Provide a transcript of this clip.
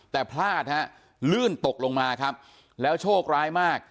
แต่พลาดฮะลื่นตกลงมาครับแล้วโชคร้ายมาก